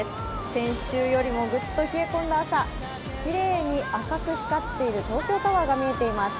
先週よりもグッと冷え込んだ朝、きれいに赤く光っている東京タワーが見えています